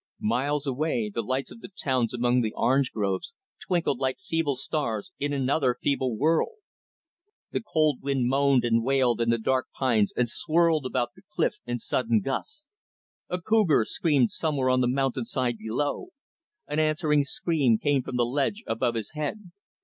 Miles away, the lights of the towns among the orange groves, twinkled like feeble stars in another feeble world. The cold wind moaned and wailed in the dark pines and swirled about the cliff in sudden gusts. A cougar screamed somewhere on the mountainside below. An answering scream came from the ledge above his head.